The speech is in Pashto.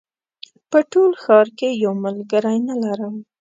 په ټول ښار کې یو ملګری نه لرم